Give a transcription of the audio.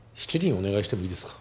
お願いしてもいいですか？